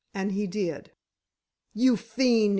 And he did." "You fiend!